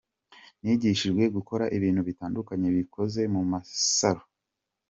Nigishijwe gukora ibintu bitandukanye bikoze mu masaro.